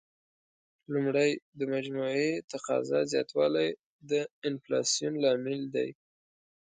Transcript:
لومړی: د مجموعي تقاضا زیاتوالی د انفلاسیون لامل دی.